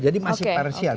jadi masih parsial